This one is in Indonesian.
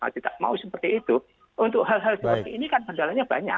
tidak mau seperti itu untuk hal hal seperti ini kan kendalanya banyak